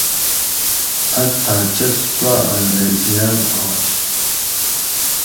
امتھاں چچ سوا انگریزیان آش